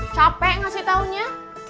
capek ngasih taunya